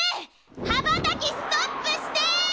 はばたきストップして！